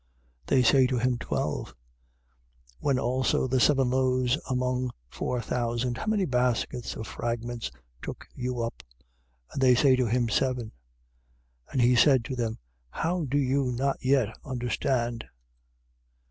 They say to him: Twelve. 8:20. When also the seven loaves among four thousand, how many baskets of fragments took you up? And they say to him: Seven. 8:21. And he said to them: How do you not yet understand?